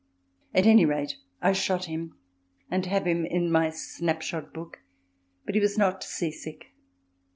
. At any rate I shot him and have him in my snap shot book, but he was not sea sick.